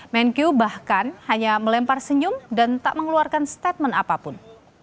menkyu bahkan hanya melempar senyum dan tak mengeluarkan statement apapun